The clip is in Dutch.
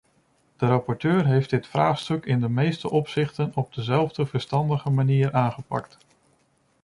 De rapporteur heeft dit vraagstuk in de meeste opzichten op dezelfde, verstandige manier aangepakt.